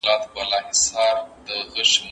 د مېوو باغ کي وګرځئ.